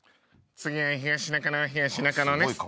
次は東中野東中野です。